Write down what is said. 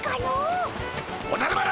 おじゃる丸！